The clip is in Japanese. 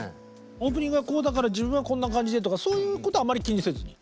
オープニングはこうだから自分はこんな感じでとかそういうことはあまり気にせずに？